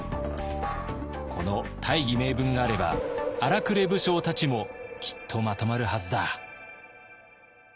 この大義名分があれば荒くれ武将たちもきっとまとまるはずだ。